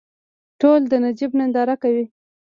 ټول د نجیب ننداره کوي.